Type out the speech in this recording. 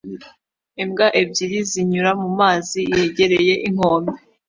Imbwa ebyiri zinyura mu mazi yegereye inkombe